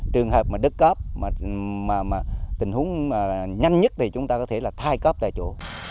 trường hợp đứt cấp tình huống nhanh nhất thì chúng ta có thể thay cấp tại chỗ